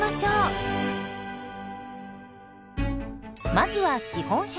まずは基本編。